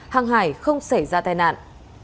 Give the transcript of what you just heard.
hàng hải không xảy ra tai nạn